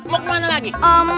mau kemana lagi